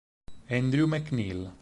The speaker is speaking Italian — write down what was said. Andrew McNeil